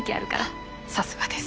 さすがです。